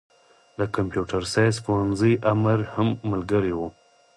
د کمپيوټر ساينس پوهنځي امر هم ملګری و.